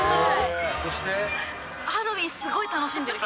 ハロウィーン、すごい楽しんでいる人。